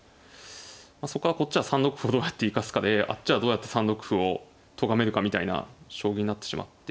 そっからこっちは３六歩をどうやって生かすかであっちはどうやって３六歩をとがめるかみたいな将棋になってしまって。